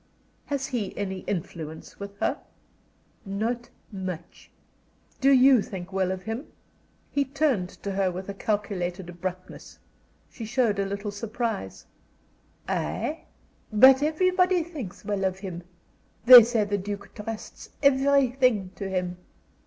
"Has he any influence with her?" "Not much." "Do you think well of him?" He turned to her with a calculated abruptness. She showed a little surprise. "I? But everybody thinks well of him. They say the Duke trusts everything to him."